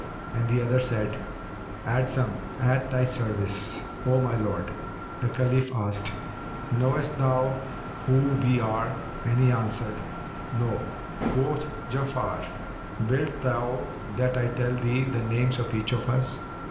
and the other said, "Adsum!—at thy service, O my lord." The Caliph asked, "Knowest thou who we are?"; and he answered, "No." Quoth Ja'afar, "Wilt thou that I tell thee the names of each of us?"